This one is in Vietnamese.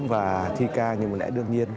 và thi ca nhưng mà lẽ đương nhiên